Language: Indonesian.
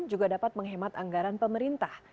juga dapat menghemat anggaran pemerintah